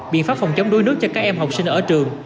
biện pháp phòng chống đuối nước cho các em học sinh ở trường